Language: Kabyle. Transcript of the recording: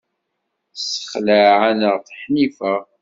Tessexleɛ-aneɣ Ḥnifa.